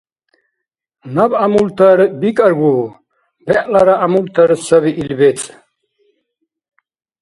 Наб гӀямултар бикӀаргу, бегӀлара гӀямултар саби ил бецӀ.